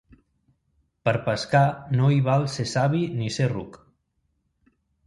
Per pescar, no hi val ser savi ni ser ruc.